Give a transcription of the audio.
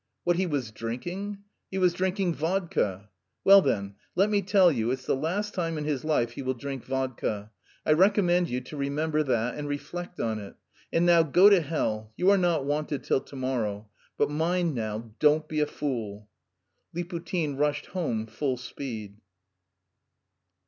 "What he was drinking? He was drinking vodka." "Well then, let me tell you it's the last time in his life he will drink vodka. I recommend you to remember that and reflect on it. And now go to hell; you are not wanted till to morrow. But mind now, don't be a fool!" Liputin rushed home full speed.